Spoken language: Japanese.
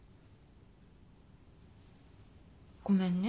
ごめんね。